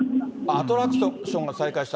アトラクションが再開した。